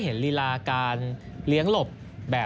ส่วนที่สุดท้ายส่วนที่สุดท้าย